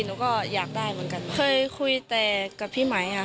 หนูก็อยากได้เหมือนกันเคยคุยแต่กับพี่ไหมค่ะ